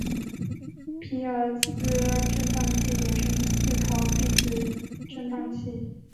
皮尔斯震荡器衍生自考毕子振荡器。